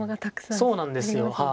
そうなんですよはい。